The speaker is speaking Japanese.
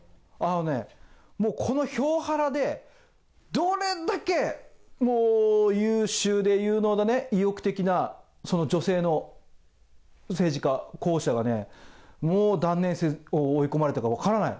あのね、もうこの票ハラで、どれだけ、もう優秀で、有能で意欲的な女性の政治家、候補者がね、もう断念、追い込まれたか分からない。